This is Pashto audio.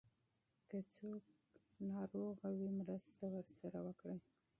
که څوک ناروغ وي مرسته ورسره وکړئ.